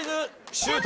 シュート！